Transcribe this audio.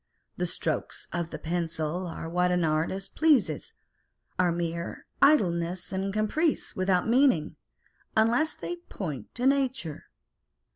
The strokes of the pencil are what the artist pleases, are mere idleness and caprice without meaning, unless they point to nature.